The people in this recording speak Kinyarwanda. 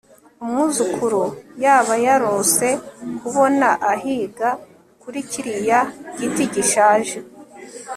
Umwuzukuru yaba yarose kubona ahiga kuri kiriya giti gishaje